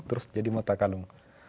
terus jadi mata kanung